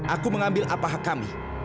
aku mengambil apa hak kami